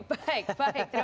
terima kasih bang sukur